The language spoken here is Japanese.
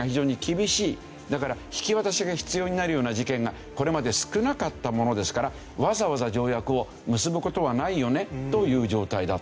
だから引き渡しが必要になるような事件がこれまで少なかったものですからわざわざ条約を結ぶ事はないよねという状態だった。